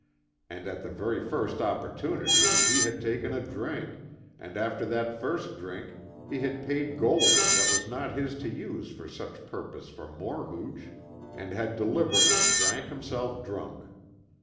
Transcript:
And, at the very first opportunity, he had taken a drink, and after that first drink, he had paid gold that was not his to use for such purpose for more hooch, and had deliberately drank himself drunk.